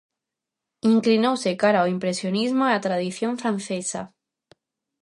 Inclinouse cara ao Impresionismo e á tradición francesa.